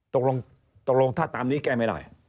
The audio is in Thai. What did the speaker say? ตกลงท่าตามนี้แกไม่ได้